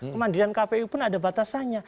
kemandirian kpu pun ada batasannya